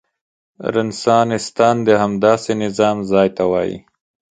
رنسانستان د همداسې نظام ځای ته وايي.